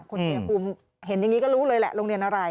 คนที่อย่างกูเห็นอย่างนี้ก็รู้เลยแหละโรงเรียนอะไร